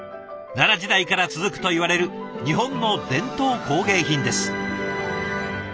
奈良時代から続くといわれる日本の伝統工芸品です。